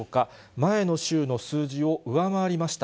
前の週の数字を上回りました。